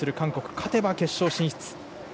勝てば決勝進出。